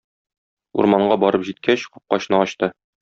Урманга барып җиткәч, капкачны ачты.